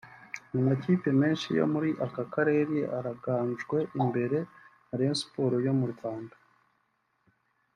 Amakipe menshi yo muri aka karere arangajwe imbere na Rayon Sports yo mu Rwanda